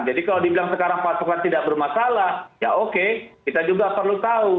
jadi kalau dibilang sekarang pasokan tidak bermasalah ya oke kita juga perlu tahu